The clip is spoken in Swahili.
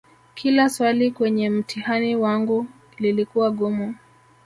kila swali kwenye mtihani wangu lilikuwa gumu